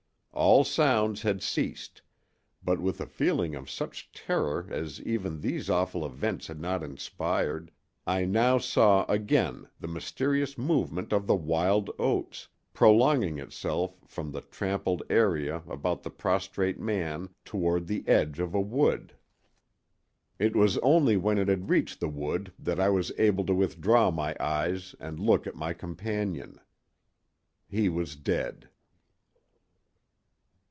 All sounds had ceased, but with a feeling of such terror as even these awful events had not inspired I now saw again the mysterious movement of the wild oats, prolonging itself from the trampled area about the prostrate man toward the edge of a wood. It was only when it had reached the wood that I was able to withdraw my eyes and look at my companion. He was dead."